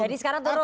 jadi sekarang turun